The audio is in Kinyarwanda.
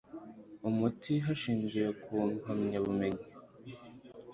umuti hashingiwe ku mpamyabumenyi